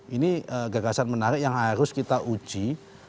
ini gagasan menarik yang harus kita uji